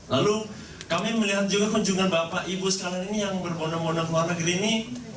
lalu kami melihat juga kunjungan bapak ibu sekalian ini yang berbondong bondong ke luar negeri ini